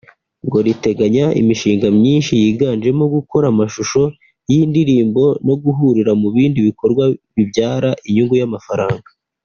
ngo riteganya imishinga myinshi yiganjemo gukora amashusho y’indirimbo no guhurira mu bindi bikorwa bibyara inyungu y’amafaranga